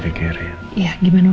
ini bukan sebuah hal yang di pikirin